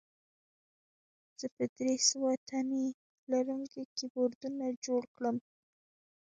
زه به درې سوه تڼۍ لرونکي کیبورډونه جوړ کړم